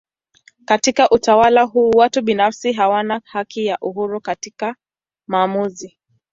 Katika utawala huu watu binafsi hawana haki na uhuru katika maamuzi.